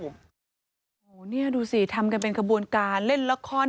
โอ้โหนี่ดูสิทำกันเป็นขบวนการเล่นละคร